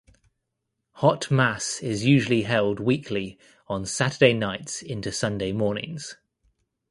Hot Mass is usually held weekly on Saturday nights into Sunday mornings.